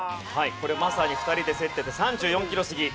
これまさに２人で競ってて３４キロ過ぎ